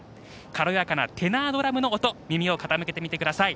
軽やかなテナードラムの音に耳を傾けてください。